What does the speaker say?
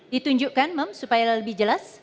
ditunjukkan mem supaya lebih jelas